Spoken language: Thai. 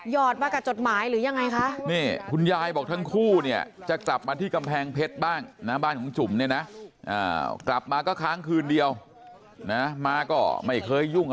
ยอดมากับจดหมายหรือยังไงคะคุณยายบอกทั้งคู่จะกลับมาที่กำแพงเพชย์บ้าง